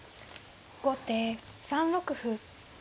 後手３六歩。